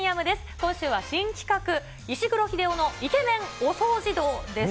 今週は新企画、石黒英雄のイケメンお掃除道です。